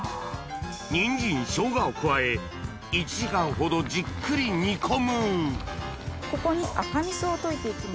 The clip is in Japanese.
人参生姜を加え１時間ほどじっくり煮込むここに赤味噌を溶いていきます。